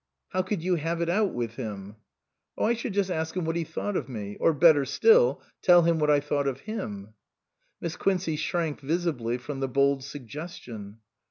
" How could you have it * out with him '?"" Oh I should just ask him what he thought of me ; or better still, tell him what I thought of him." Miss Quincey shrank visibly from the bold suggestion.